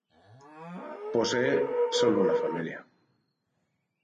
Posee solo una familia.